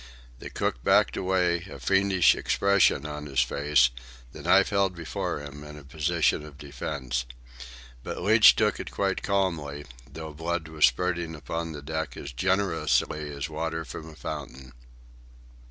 The cook backed away, a fiendish expression on his face, the knife held before him in a position of defence. But Leach took it quite calmly, though blood was spouting upon the deck as generously as water from a fountain.